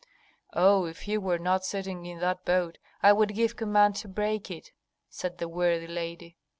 "Oh, if he were not sitting in that boat, I would give command to break it!" said the worthy lady.